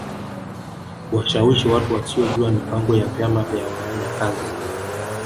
Kuwashawishi watu wasiojua mipango ya vyama vya wafanyakazi